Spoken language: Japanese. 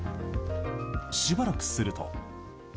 しばらくすると。